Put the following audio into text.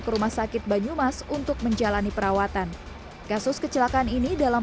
ke rumah sakit banyumas untuk menjalani perawatan kasus kecelakaan ini dalam